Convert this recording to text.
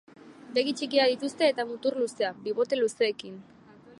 Begi txikiak dituzte eta mutur luzea, bibote luzeekin.